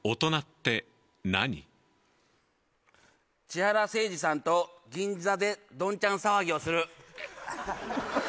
千原せいじさんと銀座でどんちゃん騒ぎをする。